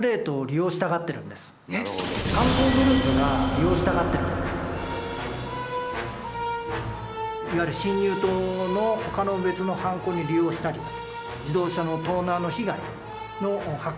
実はいわゆる侵入盗のほかの別の犯行に利用したり自動車の盗難の被害の発覚がしにくくなると。